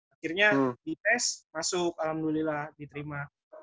akhirnya dites masuk alhamdulillah diterima